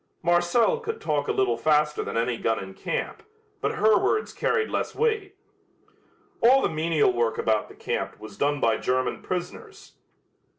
Marcel could talk a little faster than any gun in camp, but her words carried less weight. All the menial work about the camp was done by German prisoners.